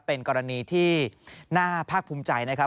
เป็นกรณีที่น่าภาคภูมิใจนะครับ